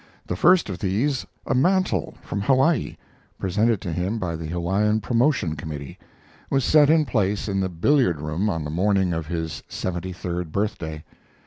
The first of these, a mantel from Hawaii, presented to him by the Hawaiian Promotion Committee, was set in place in the billiard room on the morning of his seventy third birthday.